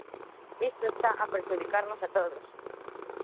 Isto está a prexudicarnos a todos.